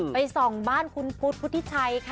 ไปส่องบ้านคุณพุธที่ชัยค่ะ